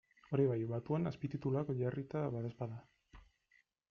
Hori bai, batuan azpitituluak jarrita badaezpada.